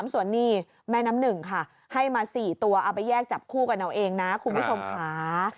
ส่วนนี้แม่น้ำหนึ่งค่ะให้มา๔ตัวเอาไปแยกจับคู่กันเอาเองนะคุณผู้ชมค่ะ